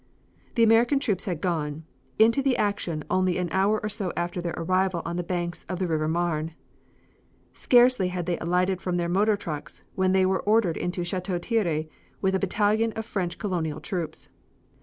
The American troops had gone, into the action only an hour or so after their arrival on the banks of the River Marne. Scarcely had they alighted from their motor trucks when they were ordered into Chateau Thierry with a battalion of French Colonial troops.